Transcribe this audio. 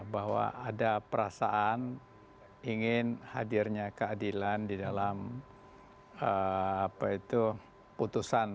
bahwa ada perasaan ingin hadirnya keadilan di dalam apa itu putusan mk